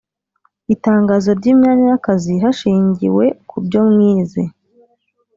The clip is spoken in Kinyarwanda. itangazo ry imyanya y akazi hashingiwe kubyo mwize